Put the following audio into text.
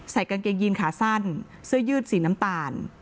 กางเกงยีนขาสั้นเสื้อยืดสีน้ำตาล